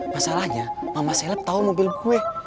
masalahnya mama seleb tau mobil gue